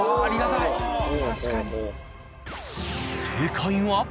正解は。